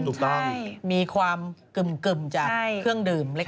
ถูกต้องมีความกึ่มจากเครื่องดื่มเล็ก